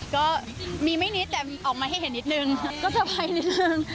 ก็มีไม่นิดแต่ออกมาให้เห็นนิดนึงก็เตอร์ไพรส์นิดนึง